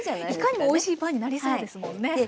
いかにもおいしいパンになりそうですもんね。